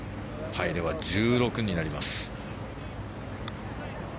入れば１６になります。